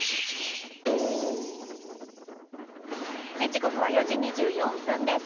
時刻は４時２４分です。